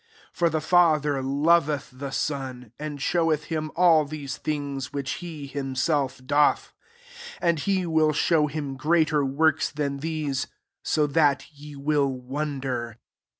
20 " For the Father loveth the Son, and showeth him all things which he himself doth : and he will show him greater works than these, so that ye will won der.